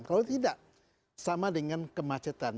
kalau tidak sama dengan kemacetan